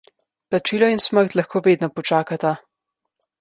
Plačilo in smrt lahko vedno počakata.